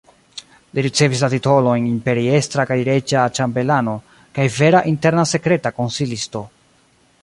Li ricevis la titolojn imperiestra kaj reĝa ĉambelano kaj vera interna sekreta konsilisto.